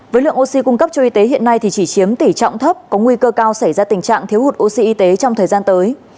với lượng oxy cung cấp cho y tế hiện nay thì chỉ chiếm tỷ trọng thấp có nguy cơ cao xảy ra tình trạng thiếu hụt oxy trong thời gian tới